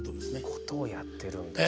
ことをやってるんですね。